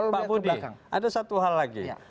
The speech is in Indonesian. pak budi ada satu hal lagi